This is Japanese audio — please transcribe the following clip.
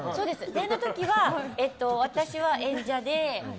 出会いの時は私は演者で。